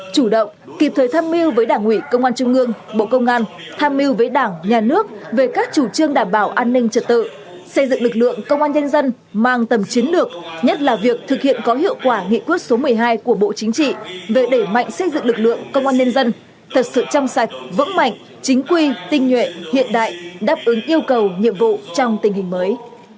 chủ động kịp thời thăm mưu với đảng ủy công an trung ương bộ công an thăm mưu với đảng nhà nước về các chủ trương đảm bảo an ninh trật tự xây dựng lực lượng công an nhân dân mang tầm chiến lược nhất là việc thực hiện có hiệu quả nghị quyết số một mươi hai của bộ chính trị về để mạnh xây dựng lực lượng công an nhân dân thật sự chăm sạch vững mạnh chính quy tinh nhuệ hiện đại đáp ứng yêu cầu nhiệm vụ trong tình hình mới